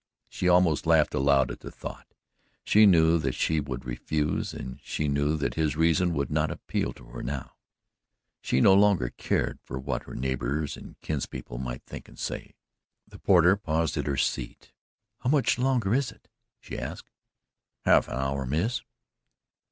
She almost laughed aloud at the thought. She knew that she would refuse and she knew that his reason would not appeal to her now she no longer cared what her neighbours and kinspeople might think and say. The porter paused at her seat. "How much longer is it?" she asked. "Half an hour, Miss."